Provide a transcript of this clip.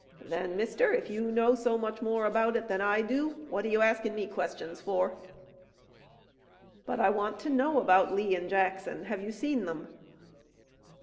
"Then, mister, if you know so much more about it than I do, what are you askin' me questions for?" "But I want to know about Lee and Jackson. Have you seen them?"